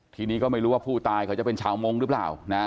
ทีนี้ก็ไม่รู้ว่าผู้ตายเขาจะเป็นชาวมงค์หรือเปล่านะ